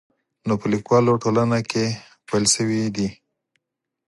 نو په لیکوالو ټولنه کې پیل شوی دی.